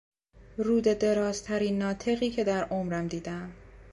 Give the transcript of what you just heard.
روده دراز ترین ناطقی که در عمرم دیدهام